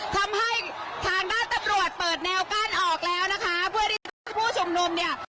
ทำให้ทางด้านตำรวจเปิดแนวกั้นออกแล้วนะคะเพื่อที่จะให้ผู้ชุมนุมเนี่ย